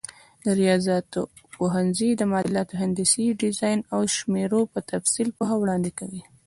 د ریاضیاتو پوهنځی د معادلاتو، هندسي ډیزاین او شمېرو پر تفصیل پوهه وړاندې کوي.